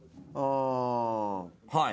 はい。